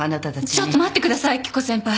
ちょっと待ってください明子先輩。